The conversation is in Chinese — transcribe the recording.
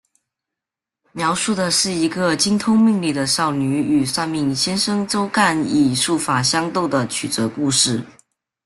描述的是一个精通命理的少女与算命先生周干以术法相斗的曲折故事。